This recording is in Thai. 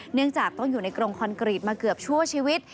เนื่องจากต้องอยู่ในกรงคอนกรีตมาเกือบชั่วชีวิต